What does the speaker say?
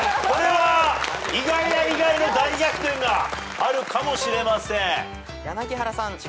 これは意外や意外の大逆転があるかもしれません。